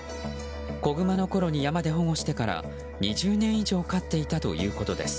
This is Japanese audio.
子グマのころに山で保護してから２０年以上飼っていたということです。